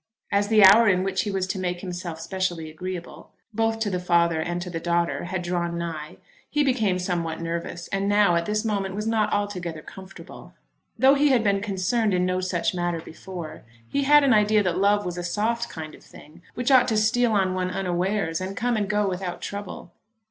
As the hour in which he was to make himself specially agreeable, both to the father and to the daughter, had drawn nigh, he became somewhat nervous, and now, at this moment, was not altogether comfortable. Though he had been concerned in no such matter before, he had an idea that love was a soft kind of thing which ought to steal on one unawares and come and go without trouble.